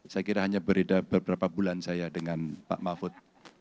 saya kira hanya berbeda beberapa bulan saya dengan pak mahfud